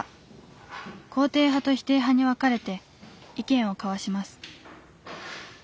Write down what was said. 肯定派と否定派に分かれて意見を交わします。